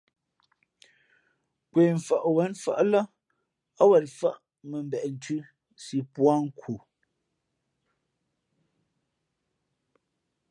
Nkwe mfαʼ wěn mfάʼ lά ά wen fάʼ mα mbeʼ nthʉ̄ si pūᾱ nkhu.